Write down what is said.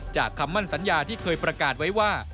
คำมั่นสัญญาที่เคยประกาศไว้ว่า